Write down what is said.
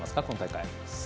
今大会。